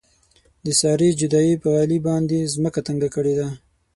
د سارې جدایۍ په علي باندې ځمکه تنګه کړې ده.